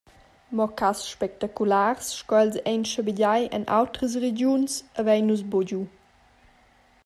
Mo cass spectaculars sco els ein schabegiai en autras regiuns havein nus buca giu.